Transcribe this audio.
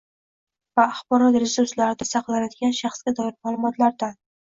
va axborot resurslarida saqlanadigan shaxsga doir ma’lumotlardan